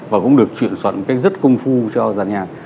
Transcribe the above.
và cũng được chuyển soạn cách rất công phu cho dàn nhạc